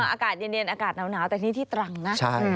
อากาศเย็นอากาศหนาวแต่นี่ที่ตรังนะ